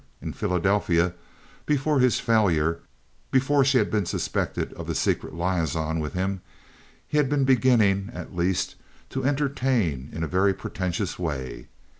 In Philadelphia, before his failure, before she had been suspected of the secret liaison with him, he had been beginning (at least) to entertain in a very pretentious way.